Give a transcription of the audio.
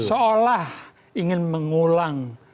seolah ingin mengulang sembilan puluh delapan